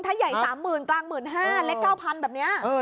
ถ้าใหญ่๓๐๐๐กลาง๑๕๐๐เล็ก๙๐๐แบบนี้